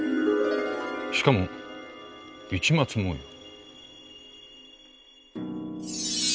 しかも市松模様。